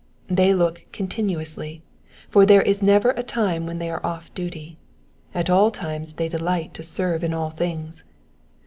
They look eontinumtsly, for there never is a time when they are o£E duty ; at all times they delight to serve in all things.